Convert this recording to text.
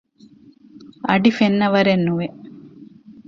އަޑި ފެންނަވަރެއް ނުވެ